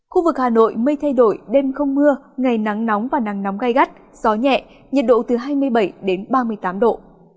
khu vực hà nội mây thay đổi đêm không mưa ngày nắng nóng và nắng nóng gai gắt gió nhẹ nhiệt độ từ hai mươi bảy đến ba mươi tám độ